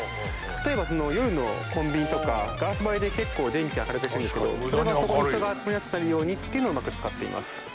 例えば夜のコンビニとかガラス張りで結構電気明るくしてるんですけどそれはそこに人が集まりやすくなるようにっていうのをうまく使っています